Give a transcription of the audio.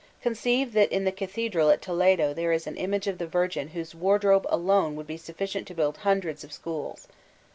Conceive that in the Cathedral at Toledo there is an image of the Virgin whose wardrobe alone would be sufficient to build hundreds of schools.